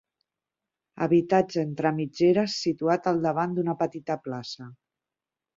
Habitatge entre mitgeres situat al davant d'una petita plaça.